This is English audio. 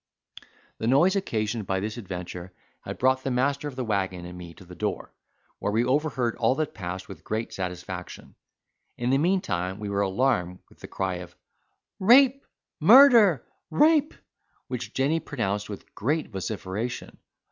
The noise occasioned by this adventure had brought the master of the waggon and me to the door, where we overheard all that passed with great satisfaction. In the meantime we were alarmed with the cry of "Rape! Murder! Rape!" which Jenny pronounced with great vociferation.